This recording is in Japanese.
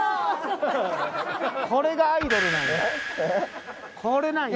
これがアイドルなんだ。